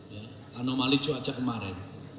ya anomali cuaca kemarin